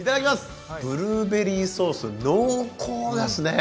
ブルーベリーソース濃厚ですね。